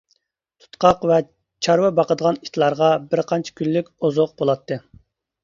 تۇتقاق ۋە چارۋا باقىدىغان ئىتلارغا بىرقانچە كۈنلۈك ئوزۇق بولاتتى.